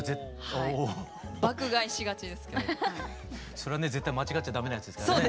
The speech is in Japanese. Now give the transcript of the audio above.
それはね絶対間違っちゃ駄目なやつですからね。